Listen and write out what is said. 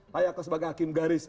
kayak sebagai hakim garis